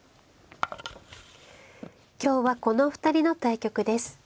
今日はこのお二人の対局です。